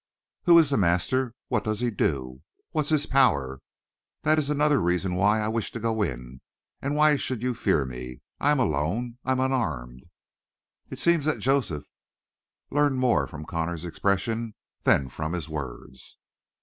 Who is the master? What does he do? What is his power? That is another reason why I wish to go in; and why should you fear me? I am alone; I am unarmed." It seemed that Joseph learned more from Connor's expression than from his words.